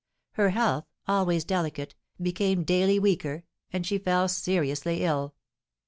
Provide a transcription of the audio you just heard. Her health, always delicate, became daily weaker, and she fell seriously ill.